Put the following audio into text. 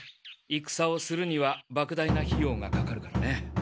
いくさをするにはばく大な費用がかかるからね。